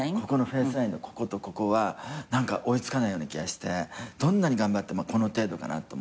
フェースラインのこことここは追いつかないような気がしてどんなに頑張ってもこの程度かなと。